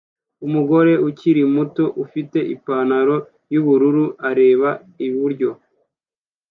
Umugore ukiri muto ufite Ipanaro yubururu areba iburyo